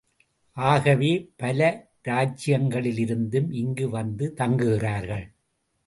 ஆகவே பல இராச்சியங்களிலிருந்தும் இங்கு வந்து தங்குகிறார்கள்.